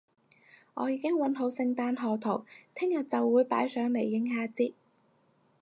我已經搵好聖誕賀圖，聽日就會擺上嚟應下節